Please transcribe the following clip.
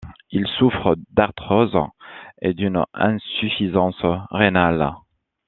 Il souffre d'arthrose et d'une insuffisance rhénale.